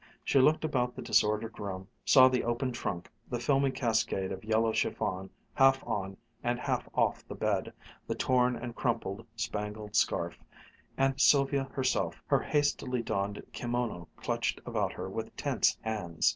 She looked about the disordered room, saw the open trunk, the filmy cascade of yellow chiffon half on and half off the bed, the torn and crumpled spangled scarf, and Sylvia herself, her hastily donned kimono clutched about her with tense hands.